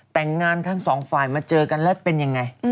แต่งงานทั้งสองฝ่ายมาเจอกันแล้วเป็นยังไง